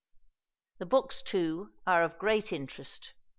The books, too, are of great interest.